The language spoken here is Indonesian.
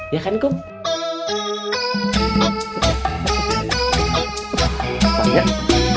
ya kan gung